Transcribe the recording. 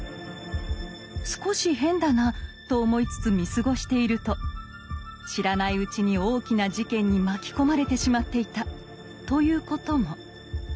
少し変だなと思いつつ見過ごしていると知らないうちに大きな事件に巻き込まれてしまっていたということも。